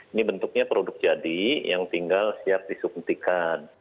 ini bentuknya produk jadi yang tinggal siap disuntikan